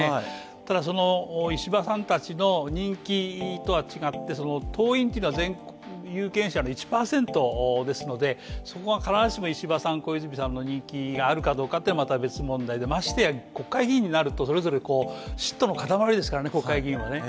ただ、石破さんたちの人気とは違って、党員というのは全国有権者の１％ですので、そこが必ずしも石破さん、小泉さんの人気があるかどうかというのはまた別問題でましてや、国会議員になるとそれぞれ塊ですからね。